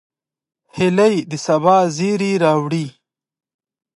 هیلۍ د سبا زیری راوړي